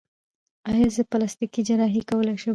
ایا زه پلاستیکي جراحي کولی شم؟